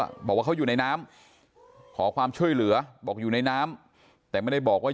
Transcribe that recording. บอกว่าเขาอยู่ในน้ำขอความช่วยเหลือบอกอยู่ในน้ำแต่ไม่ได้บอกว่า